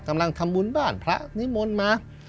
กำลังทำบุญบ้านพระนิมนต์มา